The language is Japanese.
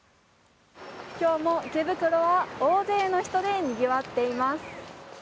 今日も池袋は大勢の人でにぎわっています。